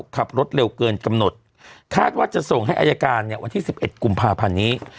ขับรถเร็วเกินกำหนดคาดว่าจะส่งให้อายการเนี่ยวันที่๑๑กุมภาพันธ์นี้